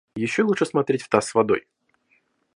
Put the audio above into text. Еще лучше смотреть в таз с водой.